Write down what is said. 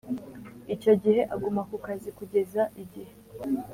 Icyo gihe aguma ku kazi kugeza igihe